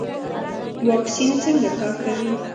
واکسین څنګه کار کوي؟